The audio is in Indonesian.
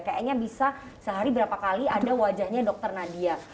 kayaknya bisa sehari berapa kali ada wajahnya dr nadia